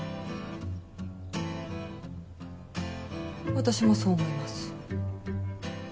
私もそう思います。